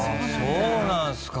そうなんすか。